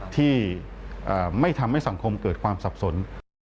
ที่ไม่ทำให้สังคมเกิดความสับสน